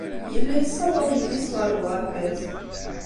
Yella yessawaḍ yelli-s ɣer uɣerbaz.